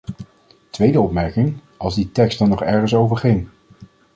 Tweede opmerking: als die tekst dan nog ergens over ging!